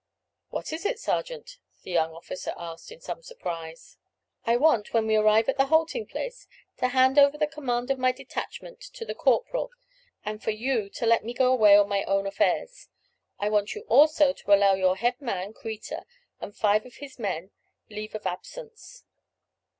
"What is it, sergeant?" the young officer asked, in some surprise. "I want when we arrive at the halting place to hand over the command of my detachment to the corporal, and for you to let me go away on my own affairs. I want you also to allow your head man, Kreta, and five of his men, leave of absence."